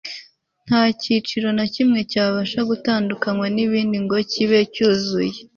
nta cyiciro na kimwe cyabasha gutandukanywa n'ibindi ngo kibe cyuzuye